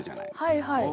はいはい。